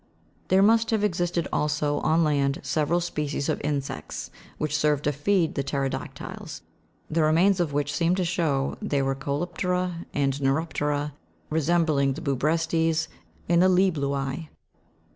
There must have existed also, on land, several species of insects, which served to feed the pteroda'ctyls, the remains of which seem to show they were coleoptera and neuroptera, resembling the bu prestes and libe'llulse.